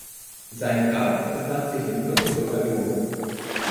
Sein Grab befand sich im Würzburger Dom.